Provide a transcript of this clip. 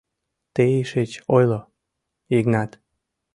— Тый шыч ойло, Йыгнат.